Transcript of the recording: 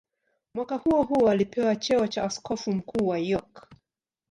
Mwaka huohuo alipewa cheo cha askofu mkuu wa York.